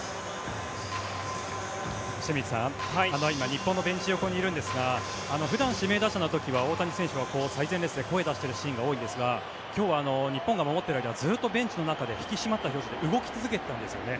清水さん、今日本のベンチ横にいるんですが普段、指名打者の時は大谷選手は最前列で声を出してるシーンが多いんですが、今日はずっとベンチの中で引き締まった表情で動き続けていたんですよね。